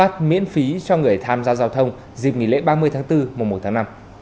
cho người tham gia giao thông dịp nghỉ lễ ba mươi tháng bốn một tháng năm